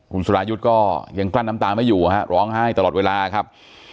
คุณสุรายุทธ์ก็ยังกลั้นน้ำตาไม่อยู่ฮะร้องไห้ตลอดเวลาครับ